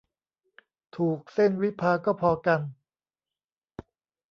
ถูก เส้นวิภาก็พอกัน